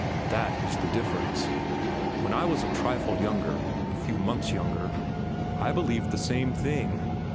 That is the difference. When I was a trifle younger,—a few months younger,—I believed the same thing.